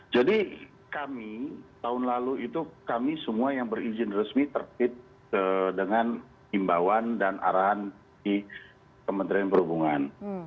jadi kami tahun lalu itu kami semua yang berizin resmi terfit dengan imbauan dan arahan di kementerian perhubungan